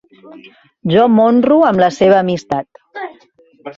Jo m'honro amb la seva amistat.